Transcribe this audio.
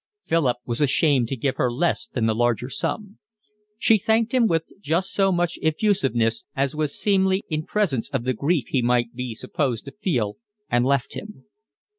Philip was ashamed to give her less than the larger sum. She thanked him with just so much effusiveness as was seemly in presence of the grief he might be supposed to feel, and left him.